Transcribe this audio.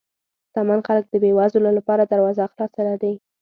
شتمن خلک د بې وزلو لپاره دروازه خلاصه لري.